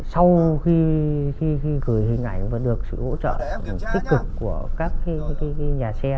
sau khi gửi hình ảnh và được sự hỗ trợ tích cực của các nhà xe